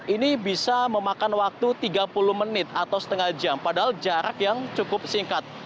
ini bisa memakan waktu tiga puluh menit atau setengah jam padahal jarak yang cukup singkat